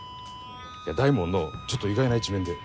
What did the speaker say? いや大門のちょっと意外な一面で。